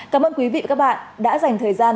cảm ơn quý vị và các bạn đã dành thời gian